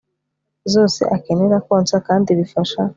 zose akenera. konsa kandi bifasha